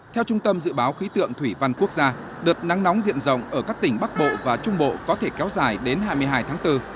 theo trung tâm dự báo khí tượng thủy văn quốc gia đợt nắng nóng diện rộng ở các tỉnh bắc bộ và trung bộ có thể kéo dài đến hai mươi hai tháng bốn